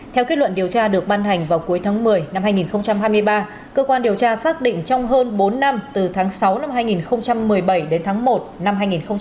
theo kết luận điều tra được ban hành vào cuối tháng một mươi năm hai nghìn hai mươi ba cơ quan điều tra xác định trong hơn bốn năm từ tháng sáu năm hai nghìn một mươi bảy đến tháng một năm hai nghìn một mươi bảy